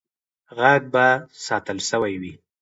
غږ به ساتل سوی وي.